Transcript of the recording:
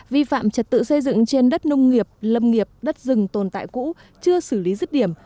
vi phạm trật tự xây dựng trên đất nông nghiệp lâm nghiệp đất rừng tồn tại cũ chưa xử lý rứt điểm